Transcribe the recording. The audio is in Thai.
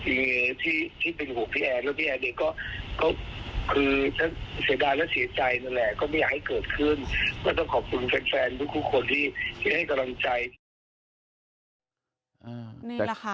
ก็ไม่อยากให้เกิดขึ้นและต้องขอบคุณแฟนทุกคนที่ให้กำลังใจ